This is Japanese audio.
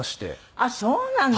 あっそうなの？